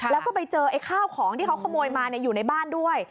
แล้วก็ไปเจอไอ้ข้าวของที่เขาขโมยมาอยู่ในบ้านด้วย